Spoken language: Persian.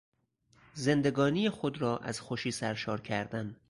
زندگانی خود را از خوشی سرشار کردن